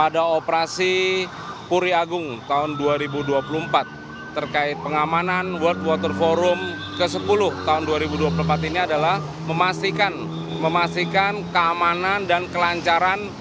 sebenarnya tugas dari kasatgas walro lakir ini adalah untuk mengamankan keamanan dan kelanjaran